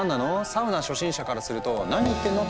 サウナ初心者からすると「何言ってんの？」